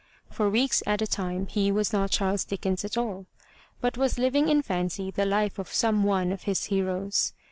For weeks at a time he was not Charles Dickens at all, but was living in fancy the life of some one of his heroes.